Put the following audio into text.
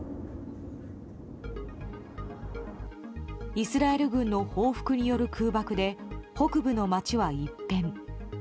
イスラエル軍の報復による空爆で北部の町は一変。